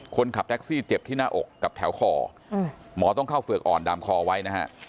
คนขับแท็กซี่เจ็บที่หน้าอกกับแถวคอหมอต้องเข้าเฝือกอ่อนดามคอไว้นะฮะ